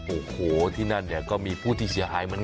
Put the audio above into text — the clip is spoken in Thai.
โอ้โหที่นั่นเนี่ยก็มีผู้ที่เสียหายเหมือนกัน